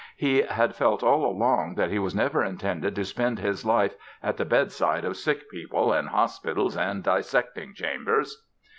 He had felt all along that he was never intended to spend his life "at the bedside of sick people, in hospitals and dissecting chambers".